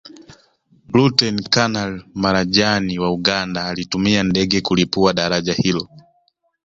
Luteni Kanali Marajani wa Uganda alitumia ndege kulipua daraja hilo